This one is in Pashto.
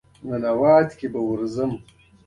زرمینه راغلل که په هره لهجه دود وي.